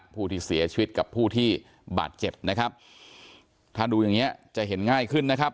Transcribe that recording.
ผู้ที่เสียชีวิตกับผู้ที่บาดเจ็บนะครับถ้าดูอย่างเงี้จะเห็นง่ายขึ้นนะครับ